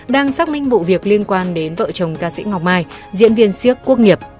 đang xác minh vụ việc liên quan đến vợ chồng ca sĩ ngọc mai diễn viên siếc quốc nghiệp